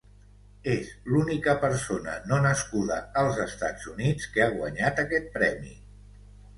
És l'única persona no nascuda als Estats Units que ha guanyat aquest premi.